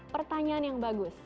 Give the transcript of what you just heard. pertanyaan yang bagus